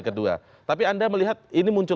kedua tapi anda melihat ini muncul